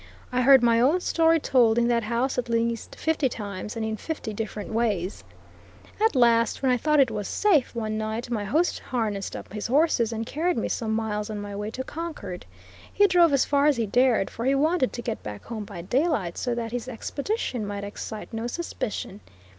I heard my own story told in that house at least fifty times, and in fifty different ways. At last, when I thought it was safe, one night my host harnessed up his horses and carried me some miles on my way to Concord. He drove as far as he dared, for he wanted to get back home by daylight, so that his expedition might excite no suspicion.